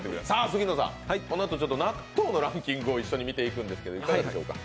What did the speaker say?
杉野さん、このあと納豆のランキングを見ていただくんですが、いかがでしょうか。